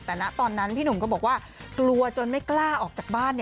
แต่ณตอนนั้นพี่หนุ่มก็บอกว่ากลัวจนไม่กล้าออกจากบ้าน